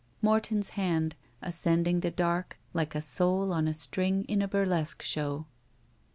Morton's hand, ascending the klark like a soul on a string in a burlesque show.